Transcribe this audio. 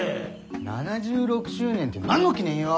７６周年って何の記念よ！